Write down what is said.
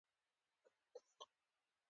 جمپر او بوټان مې هم ور وغورځول.